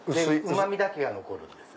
うまみだけが残るんです。